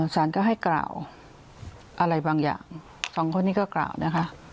สารก็ให้กล่าวอะไรบางอย่างสองคนนี้ก็กล่าวนะคะ